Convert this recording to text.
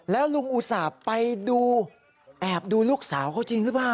แล้วลุงอุตส่าห์ไปดูแอบดูลูกสาวเขาจริงหรือเปล่า